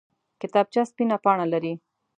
کتابچه سپینه پاڼه لري